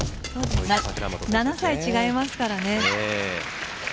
７歳違いますからね。